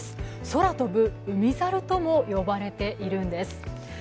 空飛ぶ海猿とも呼ばれているんです。